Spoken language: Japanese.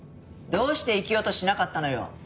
どうして生きようとしなかったのよ！